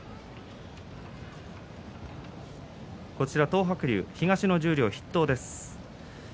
東白龍、東の十両筆頭です。